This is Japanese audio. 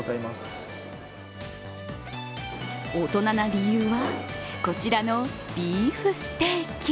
大人な理由は、こちらのビーフステーキ。